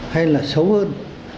hay là xấu hơn